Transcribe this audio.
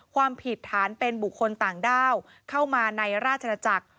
ความผิดฐานเป็นบุคคลต่างด้าวเข้ามาในราชนาจักร